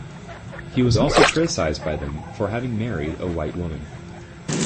He was also criticized by them for having married a white woman.